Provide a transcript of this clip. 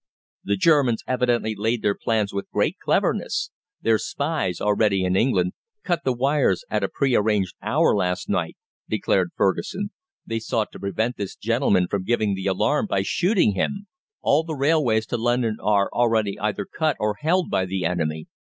"The Germans evidently laid their plans with great cleverness. Their spies, already in England, cut the wires at a pre arranged hour last night," declared Fergusson. "They sought to prevent this gentleman from giving the alarm by shooting him. All the railways to London are already either cut or held by the enemy.